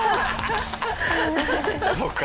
そっか。